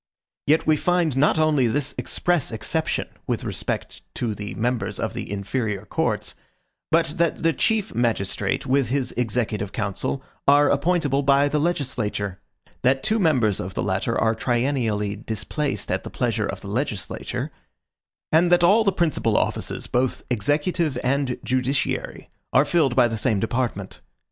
Yet we find not only this express exception, with respect to the members of the inferior courts, but that the chief magistrate, with his executive council, are appointable by the legislature; that two members of the latter are triennially displaced at the pleasure of the legislature; and that all the principal offices, both executive and judiciary, are filled by the same department.